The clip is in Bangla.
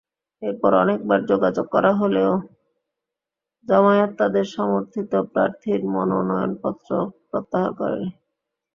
এরপর অনেকবার যোগাযোগ করা হলেও জামায়াত তাদের সমর্থিত প্রার্থীর মনোনয়নপত্র প্রত্যাহার করেনি।